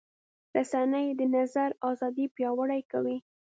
رسنۍ د نظر ازادي پیاوړې کوي.